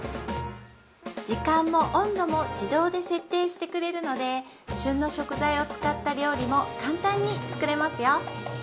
時間も温度も自動で設定してくれるので旬の食材を使った料理も簡単に作れますよ